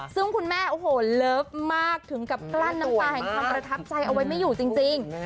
ซึ่งคุณแม่โอ้โหเลิฟมากถึงกับกลั้นน้ำตาแห่งความประทับใจเอาไว้ไม่อยู่จริง